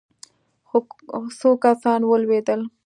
څو کسان ولوېدل.